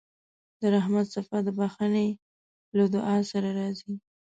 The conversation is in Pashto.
د رحمت څپه د بښنې له دعا سره راځي.